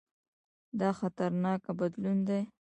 دا خطرناک بدلون دی.